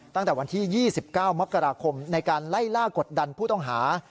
ตั้งแต่วันที่๒๙มกราคมในการไล่ล่ากดดันผู้ต้องหา